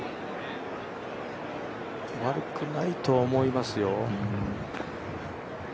悪くないとは思いますよ。